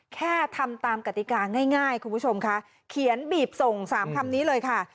แค่ทำตามกติกาง่ายคุณผู้ชมค่ะเขียนบีบส่ง๓คำนี้เลยค่ะ